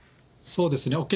そうですね。